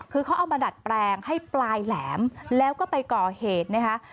คือเขาเอามาดัดแปลงให้ปลายแหลมแล้วก็ไปก่อเหตุนะคะ